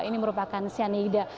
ini merupakan siani ida